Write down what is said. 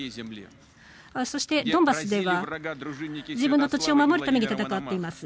そしてドンバスでは自分の土地を守るために戦っています。